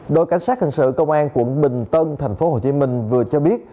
đội cảnh sát hình sự công an quận bình tân tp hcm vừa cho biết